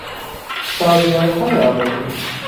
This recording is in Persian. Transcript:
سازوارههای آغازین